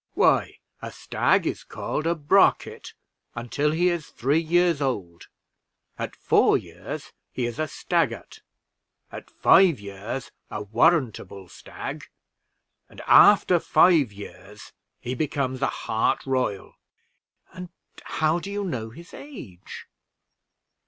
"Why, a stag is called a brocket until he is three years old, at four years he is a staggart; at five years a warrantable stag; and after five years he becomes a hart royal." "And how do you know his age?"